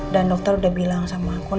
dan dokter udah bilang sama aku